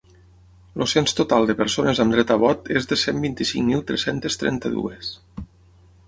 El cens total de persones amb dret a vot és de cent vint-i-cinc mil tres-centes trenta-dues.